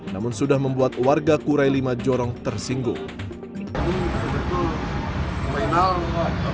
namun sudah membuat warga kurelimo jorong tersinggung